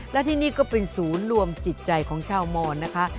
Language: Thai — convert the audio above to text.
และที่นี่ก็เป็นศูนย์รวมจิตใจของชาวมอนนะคะ